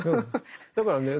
だからね